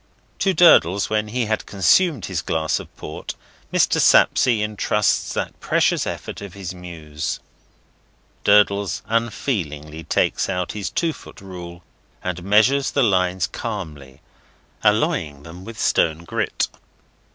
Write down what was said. To Durdles, when he had consumed his glass of port, Mr. Sapsea intrusts that precious effort of his Muse. Durdles unfeelingly takes out his two foot rule, and measures the lines calmly, alloying them with stone grit.